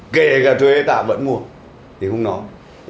kể cả thuế tạ vẫn mua thì không nói